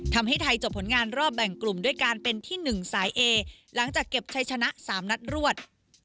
ทำให้ไทยจบผลงานรอบแบ่งกลุ่มด้วยการเป็นที่๑สายเอหลังจากเก็บชัยชนะ๓นัดรวด